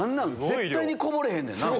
絶対にこぼれへんねん。